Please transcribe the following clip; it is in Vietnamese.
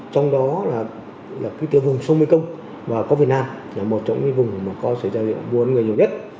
trong đó là cái tỉa vùng sông mây công và có việt nam là một trong những cái vùng mà có xảy ra việc mua bán người nhiều nhất